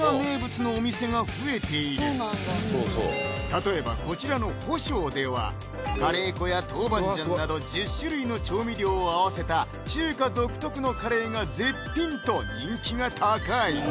例えばこちらの保昌ではカレー粉や豆板醤など１０種類の調味料を合わせた中華独特のカレーが絶品と人気が高い！